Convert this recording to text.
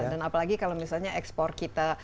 dan apalagi kalau misalnya ekspor kita